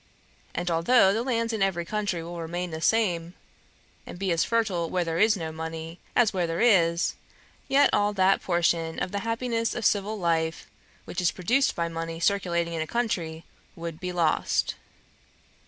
And although the land in every country will remain the same, and be as fertile where there is no money, as where there is, yet all that portion of the happiness of civil life, which is produced by money circulating in a country, would be lost.'